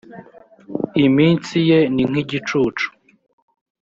iminsi ye ni nk igicucu